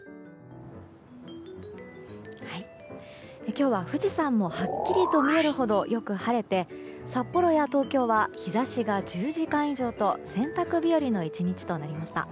今日は富士山もはっきりと見えるほどよく晴れて、札幌や東京は日差しが１０時間以上と洗濯日和の１日となりました。